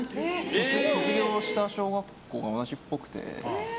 卒業した小学校が同じっぽくて。